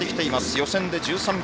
予選で１３秒